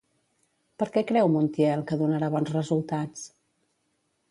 Per què creu Montiel que donarà bons resultats?